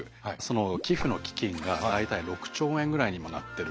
寄付の基金が大体６兆円ぐらいに今なってるんですね。